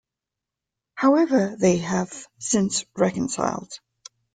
However, they have since reconciled.